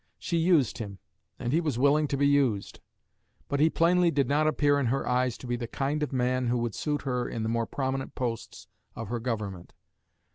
She used, him, and he was willing to be used; but he plainly did not appear in her eyes to be the kind of man who would suit her in the more prominent posts of her Government.